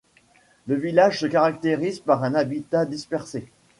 Le village se caractérise par un habitat dispersé.